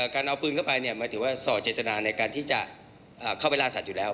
การเอาปืนเข้าไปหมายถึงว่าส่อเจตนาในการที่จะเข้าไปล่าสัตว์อยู่แล้ว